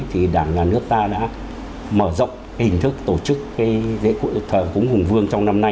thì đảng và nhà nước ta đã mở rộng hình thức tổ chức dễ cụi thờ cúng hùng vương trong năm nay